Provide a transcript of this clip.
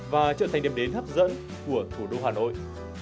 và trở thành điểm đến hấp dẫn của thủ đô hà nội